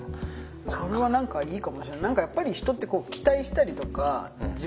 それは何かいいかもしれない。